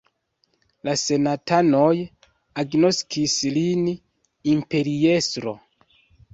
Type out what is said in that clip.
La senatanoj agnoskis lin imperiestro.